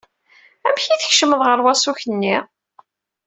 Amek i tkecmeḍ ɣer waṣuk-nni?